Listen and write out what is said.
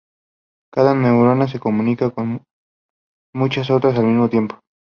Cada neurona se comunica con muchas otras al mismo tiempo.